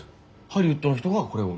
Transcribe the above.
ハリウッドの人がこれを？